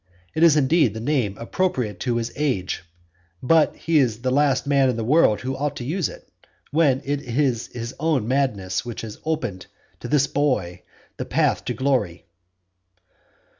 It is indeed the name appropriate to his age; but he is the last man in the world who ought to use it, when it is his own madness that has opened to this boy the path to glory.